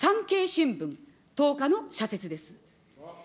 産経新聞、１０日の社説です。